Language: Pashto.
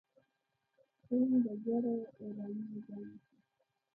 ښه نوم د زر اعلانونو ځای نیسي.